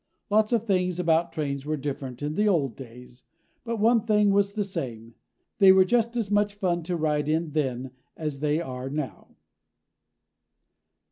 Lots of things about trains were different in the old days, but one thing was the same. They were just as much fun to ride in then as they are now.